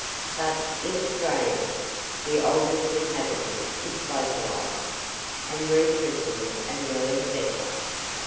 But in Australia, the oldest inhabitant is localized, and rechristened an early settler.